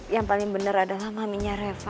yang paling benar adalah maminya reva